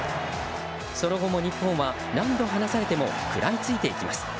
その後も日本は何度離されても食らいついていきます。